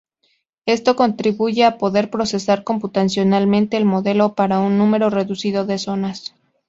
Esto contribuye a poder procesar computacionalmente el modelo para un número reducido de zonas.